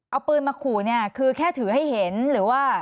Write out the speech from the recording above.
เอาปืนมาขู่เนี่ยคือแค่ถือให้เห็นหรือว่า